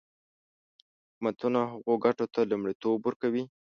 حکومتونه هغو ګټو ته لومړیتوب ورکوي.